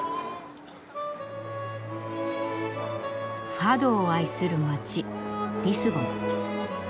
ファドを愛する街リスボン。